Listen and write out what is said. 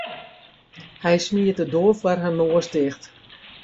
Hy smiet de doar foar har noas ticht.